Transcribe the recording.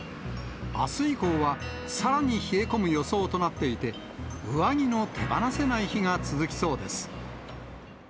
あす以降は、さらに冷え込む予想となっていて、上着の手放せない日が続きそうです。